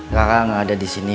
kakak gak ada disini